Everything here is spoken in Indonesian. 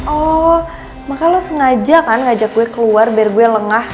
oh makanya lo sengaja kan ngajak gue keluar biar gue lengah